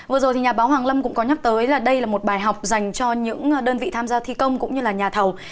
vừa rồi thì nhà báo hoàng lâm cũng có nhắc tới là đây là một bài học dành cho những đơn vị tham gia thi công cũng như là nhà thầu